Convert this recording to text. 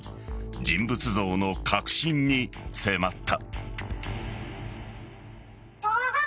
人物像の核心に迫った。